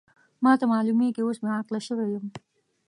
ما ته معلومېږي اوس بې عقله شوې یم.